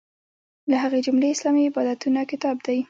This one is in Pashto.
له هغې جملې اسلامي عبادتونه کتاب دی.